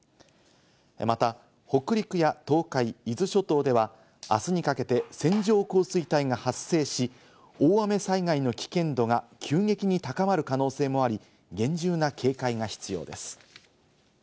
また、北陸や東海、伊豆諸島では、あすにかけて線状降水帯が発生し、大雨災害の危険度が急激に高まる可能性もあり、厳重な警戒が必要です。